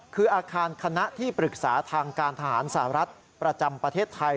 คืออาคารคณะที่ปรึกษาทางการทหารสหรัฐประจำประเทศไทย